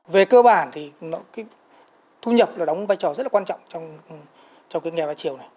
về cơ bản thì thu nhập đóng vai trò rất quan trọng trong nghèo đa chiều này